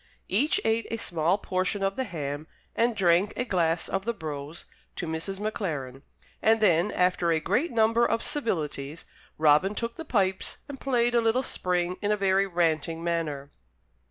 Each ate a small portion of the ham and drank a glass of the brose to Mrs. Maclaren; and then, after a great number of civilities, Robin took the pipes and played a little spring in a very ranting manner.